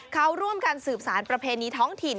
เขาร่วมกันสืบสารประเพณีท้องถิ่น